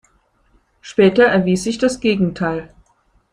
Später erwies sich das Gegenteil.